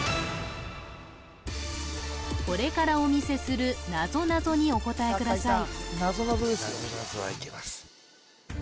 これからお見せするなぞなぞにお答えください